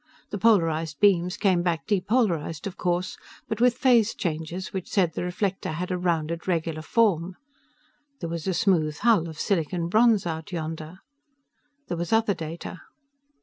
The polarized beams came back depolarized, of course, but with phase changes which said the reflector had a rounded, regular form. There was a smooth hull of silicon bronze out yonder. There was other data.